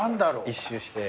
一周して。